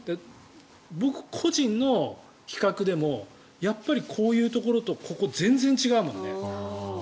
僕個人の比較でもやっぱりこういうところとここ全然違うもんね。